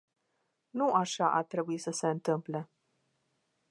Nu așa ar trebui să se întâmple.